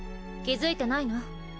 気付いてないの？